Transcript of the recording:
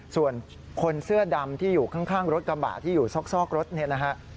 ส่วนคนเสื้อดำที่อยู่ข้างรถกระบะที่อยู่ซอกรถเนี่ยนะฮะ